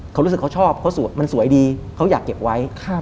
เขารู้สึกเขาชอบเขามันสวยดีเขาอยากเก็บไว้